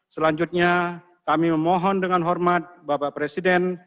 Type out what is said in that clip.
selanjutnya kami memohon dengan hormat bapak presiden